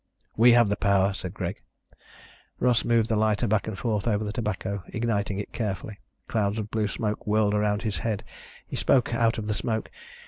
"We have the power," said Greg. Russ moved the lighter back and forth over the tobacco, igniting it carefully. Clouds of blue smoke swirled around his head. He spoke out of the smoke.